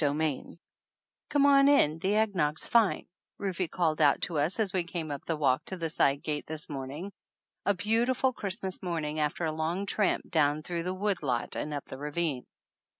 200 CHAPTER XI on in, the egg nog's fine," Rufe called out to us as we came up the walk to the side gate this morning, a beau tiful Christmas morning, after a long tramp down through the wood lot and up the ravine.